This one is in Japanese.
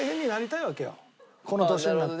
この年になって。